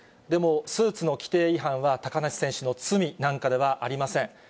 でもスーツの規定違反は、高梨選手の罪なんかではありません。